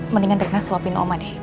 mendingan terima suapin oma deh